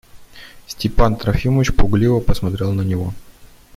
Степан Трофимович пугливо посмотрел на него.